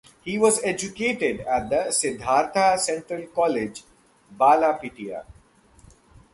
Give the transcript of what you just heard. He was educated at Siddhartha Central College Balapitiya.